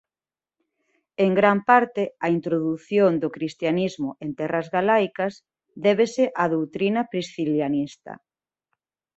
En gran parte a introdución do cristianismo en terras galaicas débese á doutrina priscilianista.